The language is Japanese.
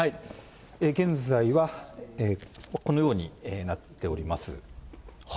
現在は、このようになっております。